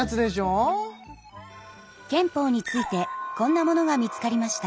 憲法についてこんなものが見つかりました。